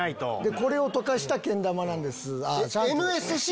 「これを溶かしたけん玉なんです」。